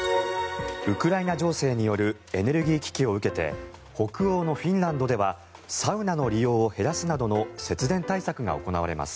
ウクライナ情勢によるエネルギー危機を受けて北欧のフィンランドではサウナの利用を減らすなどの節電対策が行われます。